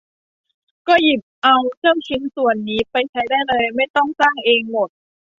ก็หยิบเอาเจ้าชิ้นส่วนนี้ไปใช้ได้เลย ไม่ต้องสร้างเองหมด